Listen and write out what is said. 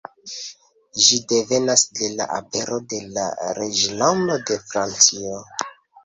Ĝi devenas de la apero de la reĝlando de Francio.